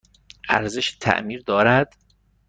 ارزش تعمیر دارد؟